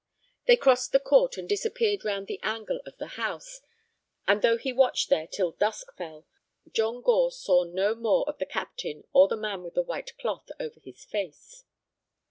They crossed the court and disappeared round the angle of the house, and though he watched there till dusk fell, John Gore saw no more of the captain or the man with the white cloth over his face.